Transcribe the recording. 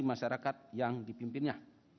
masyarakat yang dipimpinnya